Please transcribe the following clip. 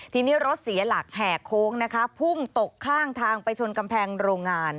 ทีนี้รถเสียหลักแห่โค้งนะคะพุ่งตกข้างทางไปชนกำแพงโรงงาน